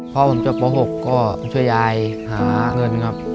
พ่อผมจบป๖ก็ช่วยยายหาเงินครับ